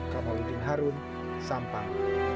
kamaludin harun sampang